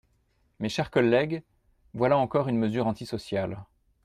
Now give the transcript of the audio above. Mes chers collègues, voilà encore une mesure antisociale.